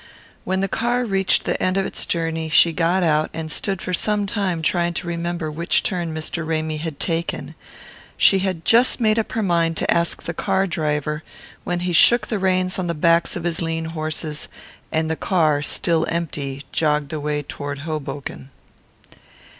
When the car reached the end of its journey she got out and stood for some time trying to remember which turn Mr. Ramy had taken. She had just made up her mind to ask the car driver when he shook the reins on the backs of his lean horses, and the car, still empty, jogged away toward Hoboken.